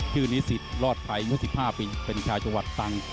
คือนิสิทธิ์รอดไพรอายุ๑๕ปีเป็นชาวจังหวัดตังค์